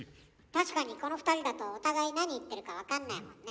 確かにこの２人だとお互い何言ってるか分かんないもんね。